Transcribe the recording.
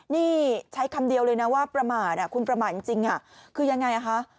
นี่ใช้คำเดียวเลยนะว่าประมาทคุณประมาทจริงคือยังไงคะ